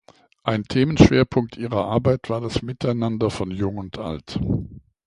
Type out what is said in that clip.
Ein Themenschwerpunkt ihrer Arbeit war das Miteinander von Jung und Alt.